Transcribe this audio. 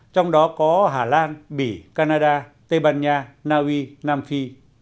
trong đó có hà lan bỉ canada tây ban nha naui nam phi